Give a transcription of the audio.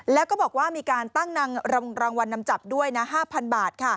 แล้วก็บอกว่ามีการตั้งรางวัลนำจับด้วยนะ๕๐๐บาท